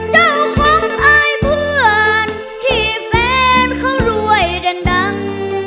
เจ้าของอายเพื่อนที่แฟนเขารวยดัง